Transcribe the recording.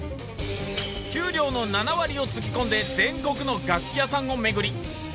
給料の７割をつぎ込んで全国の楽器屋さんを巡り